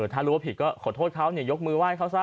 ถ้ารู้ว่าผิดก็ขอโทษเขายกมือไห้เขาซะ